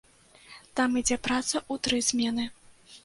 Там ідзе праца ў тры змены.